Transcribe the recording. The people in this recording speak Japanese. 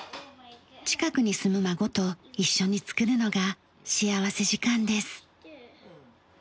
近くに住む孫と一緒につくるのが幸福時間です。